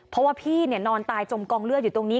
เพราะว่าพี่นอนตายจมกองเลือดอยู่ตรงนี้